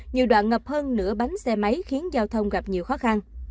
nhiều đoạn ngập hơn nửa bánh xe máy khiến giao thông gặp nhiều khó khăn